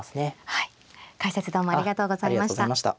はい解説どうもありがとうございました。